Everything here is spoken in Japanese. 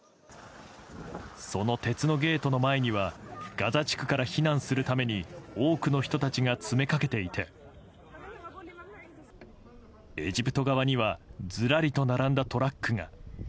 その鉄のゲートの前にはガザ地区から避難するために多くの人たちが詰めかけていてエジプト側にはずらりと並んだトラックが。